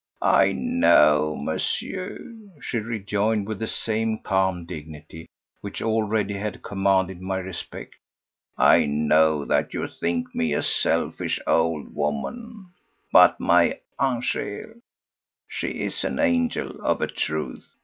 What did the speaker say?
"I know, Monsieur," she rejoined with the same calm dignity which already had commanded my respect, "I know that you think me a selfish old woman; but my Angèle—she is an angel, of a truth!